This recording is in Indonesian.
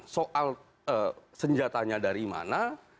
soal senjatanya dari mana